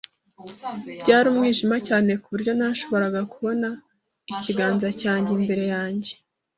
Byari umwijima cyane ku buryo ntashobora kubona ikiganza cyanjye imbere yanjye.